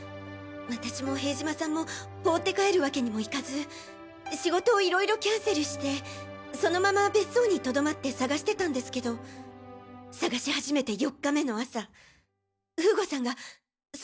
私も塀島さんも放って帰るワケにもいかず仕事を色々キャンセルしてそのまま別荘に留まって捜してたんですけど捜し始めて４日目の朝風悟さんが「そういえば子供の頃